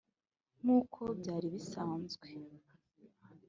nk’uko byari bisanzwe